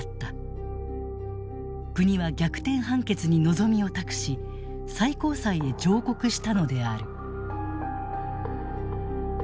国は逆転判決に望みを託し最高裁へ上告したのである。